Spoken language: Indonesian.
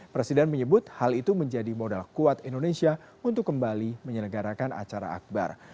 presiden menyebut hal itu menjadi modal kuat indonesia untuk kembali menyelenggarakan acara akbar